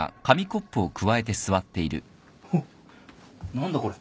何だこれ。